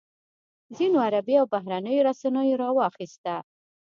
ځینو عربي او بهرنیو رسنیو راواخیسته.